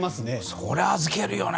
そりゃ預けるよね。